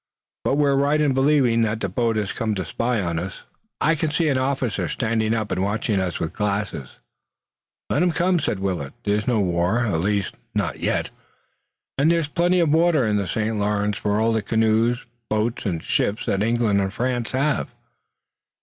But we're right in believing that boat has come to spy us out. I can see an officer standing up and watching us with glasses." "Let 'em come," said Willet. "There's no war at least, not yet and there's plenty of water in the St. Lawrence for all the canoes, boats and ships that England and France have."